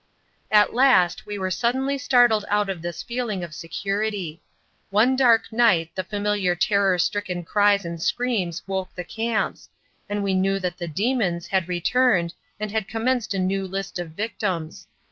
At last we were suddenly startled out of this feeling of security. One dark night the familiar terror stricken cries and screams awoke the camps, and we knew that the "demons" had returned and had commenced a new list of victims.